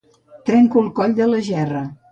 Trenco el coll de la gerra.